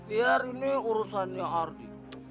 biar ini urusannya ardi